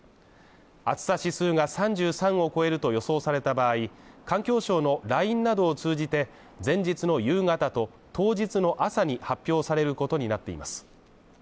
暑さ指数が３３を超えると予想された場合、環境省のＬＩＮＥなどを通じて、前日の夕方と当日の朝に発表されることになっています。